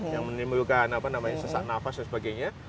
yang menimbulkan sesak nafas dan sebagainya